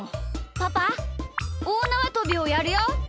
パパおおなわとびをやるよ！